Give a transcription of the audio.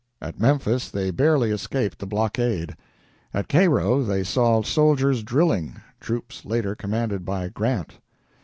At Memphis they barely escaped the blockade. At Cairo they saw soldiers drilling troops later commanded by Grant.